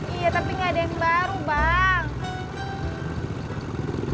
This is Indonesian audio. iya tapi gak ada yang baru bang